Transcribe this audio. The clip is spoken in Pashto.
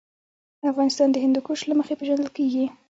افغانستان د هندوکش له مخې پېژندل کېږي.